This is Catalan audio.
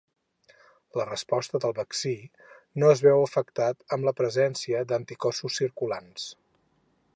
La resposta del vaccí no es veu afectat amb la presència d'anticossos circulants.